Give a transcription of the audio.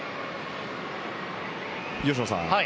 吉野さん